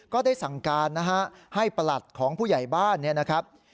ก็ได้สั่งการนะฮะให้ประหลัดของผู้ใหญ่บ้านเนี่ยนะครับ